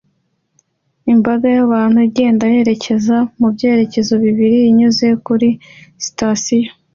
Imbaga y'abantu igenda yerekeza mu byerekezo bibiri inyuze kuri sitasiyo